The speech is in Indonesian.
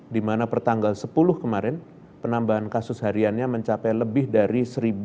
dimana pertanggal sepuluh kemarin penambahan kasus hariannya mencapai lebih dari satu lima ratus